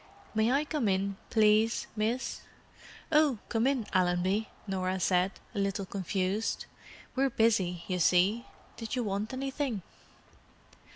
"May I come in, please, miss?" "Oh, come in, Allenby," Norah said, a little confused. "We're busy, you see. Did you want anything?"